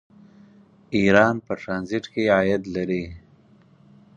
ایران په ټرانزیټ کې عاید لري.